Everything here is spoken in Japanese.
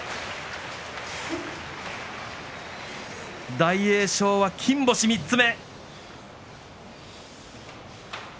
大栄翔は金星３つ目。